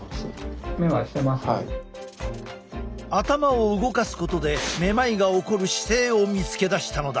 頭を動かすことでめまいが起こる姿勢を見つけ出したのだ。